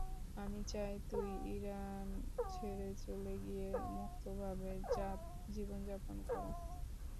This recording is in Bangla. আমি চাই তুই ইরান ছেড়ে চলে গিয়ে মুক্তভাবে জীবনযাপন কর!